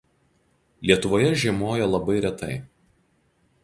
Lietuvoje žiemoja labai retai.